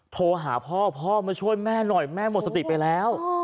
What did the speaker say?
โทรหาพ่อพ่อมาช่วยแม่หน่อยแม่หมดสติไปแล้ว